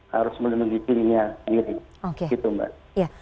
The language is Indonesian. harus melindungi dirinya